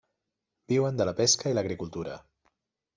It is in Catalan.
Viuen de la pesca i l'agricultura.